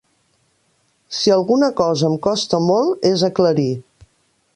Si alguna cosa em costa molt, és aclarir.